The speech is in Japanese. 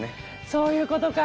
そういうことか。